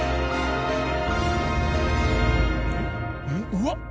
うわっ！